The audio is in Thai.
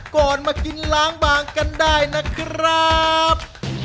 ก่อนมากินล้างบางกันได้นะครับ